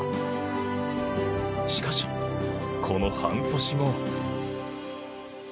しかし、この半年後。